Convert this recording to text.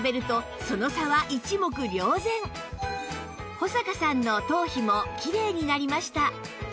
保坂さんの頭皮もきれいになりました